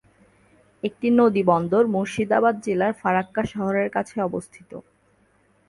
একটি নদী বন্দর মুর্শিদাবাদ জেলার ফারাক্কা শহরের কাছে অবস্থিত।